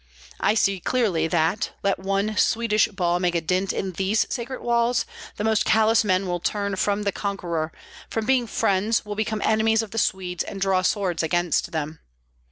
I see clearly that, let one Swedish ball make a dint in these sacred walls, the most callous men will turn from the conqueror, from being friends will become enemies of the Swedes and draw swords against them.